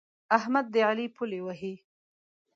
احمد د علي پلې وهي.